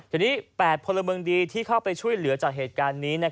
ทีนี้๘พลเมืองดีที่เข้าไปช่วยเหลือจากเหตุการณ์นี้